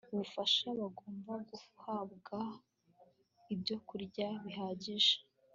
ubufasha bagomba guhabwa ibyokurya bihagije